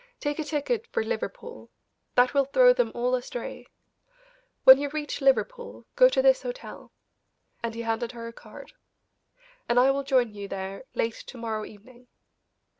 Take a ticket for Liverpool, that will throw them all astray. When you reach Liverpool go to this hotel," and he handed her a card, "and I will join you there late to morrow evening.